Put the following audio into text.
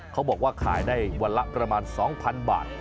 เขาบอกว่าขายได้วันละประมาณ๒๐๐๐บาท